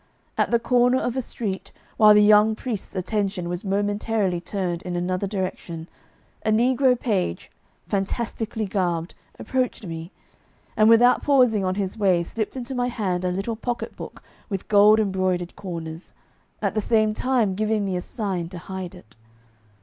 At the corner of a street, while the young priest's attention was momentarily turned in another direction, a negro page, fantastically garbed, approached me, and without pausing on his way slipped into my hand a little pocket book with gold embroidered corners, at the same time giving me a sign to hide it.